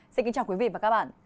xin kính chào quý vị và các bạn